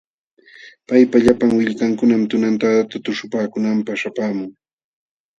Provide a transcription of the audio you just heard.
Paypa llapan willkankunam tunantadata tuśhupaakunanpaq śhapaamun.